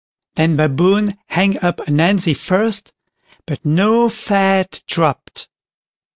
Then Baboon hung up Ananzi first, but no fat dropped.